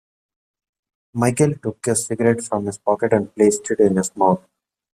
Michael took a cigarette from his pocket and placed it in his mouth.